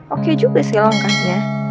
oke juga sih langkahnya